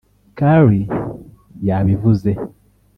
Carly yabivuze